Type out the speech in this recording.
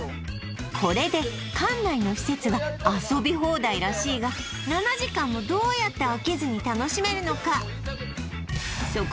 これで館内のらしいが７時間もどうやって飽きずに楽しめるのか